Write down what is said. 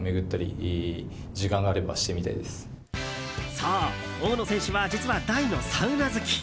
そう、大野選手は実は大のサウナ好き。